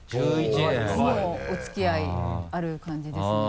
もうお付き合いある感じですね。